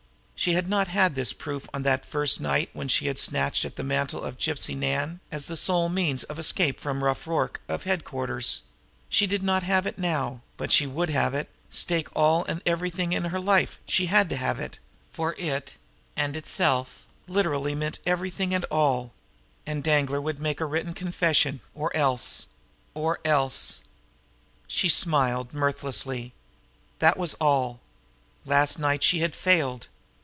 She had not had this proof on that first night when she had snatched at the mantle of Gypsy Nan as the sole means of escape from Rough Rorke, of headquarters; she did not have it now but she would have it, stake all and everything in life she had to have it, for it, in itself, literally meant everything and all and Danglar would make a written confession, or else or else She smiled mirthlessly. That was all! Last night she had failed.